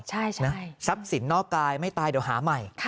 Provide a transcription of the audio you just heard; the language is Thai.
ใช่ใช่ไหมทรัพย์สินนอกกายไม่ตายเดี๋ยวหาใหม่